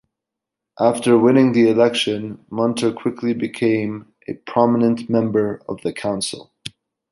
After winning the election, Munter quickly became a prominent member of the council.